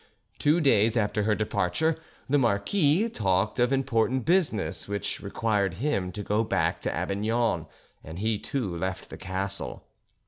Two, days after her departure, the marquis talked of important business which required him to go back to Avignon, and he too left the castle.